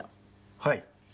はい。